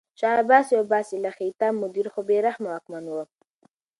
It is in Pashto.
شاه عباس یو باصلاحیته مدیر خو بې رحمه واکمن و.